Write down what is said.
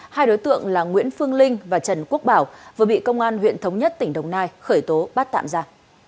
hai đối tượng là nguyễn phương linh và trần quốc bảo vừa bị công an huyện thống nhất tỉnh đồng nai khởi tố bắt tạm ra